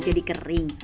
pada hari ini